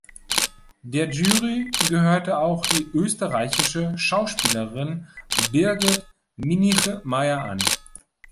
Der Jury gehörte auch die österreichische Schauspielerin Birgit Minichmayr an.